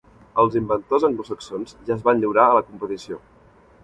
Els inventors anglosaxons ja es van lliurar a la competició.